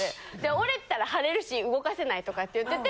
折れてたら腫れるし動かせないとかって言ってて。